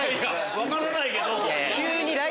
分からないけど。